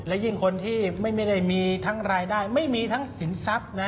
และยิ่งคนที่ไม่ได้มีทั้งรายได้ไม่มีทั้งสินทรัพย์นะ